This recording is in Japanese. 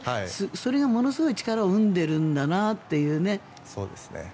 それがものすごい力を生んでいるんだなというね。